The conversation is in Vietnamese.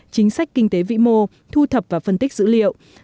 chính sách kinh tế vĩ mô thu thập và phân tích dữ liệu